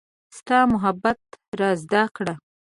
ستا محبت را زده کړه